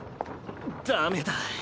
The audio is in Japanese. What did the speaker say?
ダメだ。